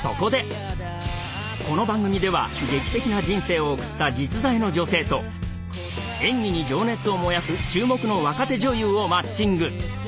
この番組では劇的な人生を送った実在の女性と演技に情熱を燃やす注目の若手女優をマッチング！